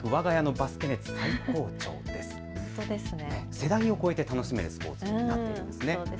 世代を超えて楽しめるスポーツになっているんですね。